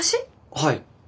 はい。